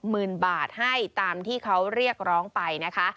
หมื่นบาทให้ตามที่เขาเรียกร้องไปนะคะ